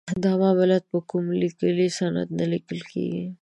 دا معاملات په کوم لیکلي سند نه لیکل کیږي.